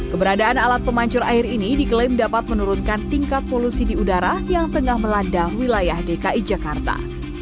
keberadaan alat pemancur air ini diklaim dapat menurunkan tingkat polusi di udara yang tengah melanda wilayah dki jakarta